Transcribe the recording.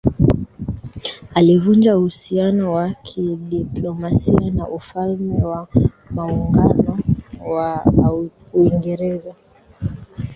alivunja uhusiano wa kidiplomasia na Ufalme wa Maungano wa Uingereza